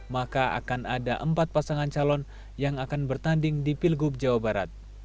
maka akan ada empat pasangan calon yang akan bertanding di pilgub jawa barat